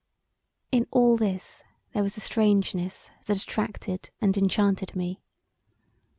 In all this there was a strangeness that attracted and enchanted me.